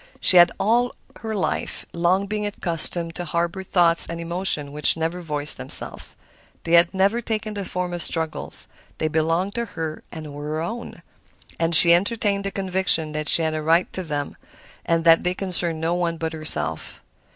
She had all her life long been accustomed to harbor thoughts and emotions which never voiced themselves. They had never taken the form of struggles. They belonged to her and were her own, and she entertained the conviction that she had a right to them and that they concerned no one but herself.